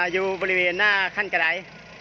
อยู่บริเวณหน้าขั้นกระดาย